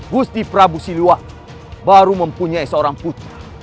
gusti prabu siliwah baru mempunyai seorang putra